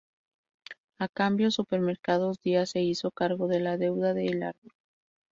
A cambio, Supermercados Dia se hizo cargo de la deuda de El Árbol.